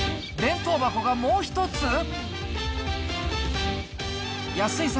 弁当箱がもう一つ。